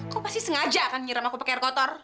kok pasti sengaja kan nyiram aku pakai air kotor